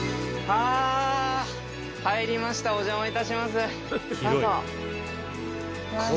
はい。